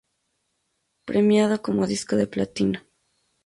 Premiado como disco de platino.